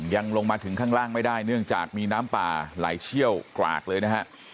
ลงมาถึงข้างล่างไม่ได้เนื่องจากมีน้ำป่าไหลเชี่ยวกรากเลยนะฮะ